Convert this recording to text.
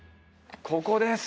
ここです。